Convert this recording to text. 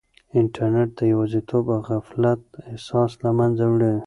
انټرنیټ د یوازیتوب او غفلت احساس له منځه وړي.